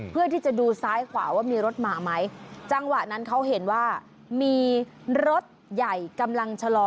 เพื่อที่จะดูซ้ายขวาว่ามีรถมาไหมจังหวะนั้นเขาเห็นว่ามีรถใหญ่กำลังชะลอ